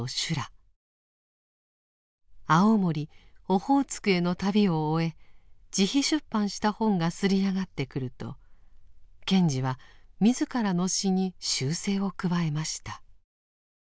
青森オホーツクへの旅を終え自費出版した本が刷り上がってくると賢治は自らの詩に修正を加えました。